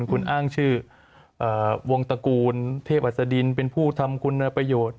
คุณอ้างชื่อวงตระกูลเทพอัศดินเป็นผู้ทำคุณประโยชน์